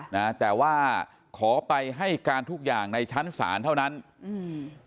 นะแต่ว่าขอไปให้การทุกอย่างในชั้นศาลเท่านั้นอืม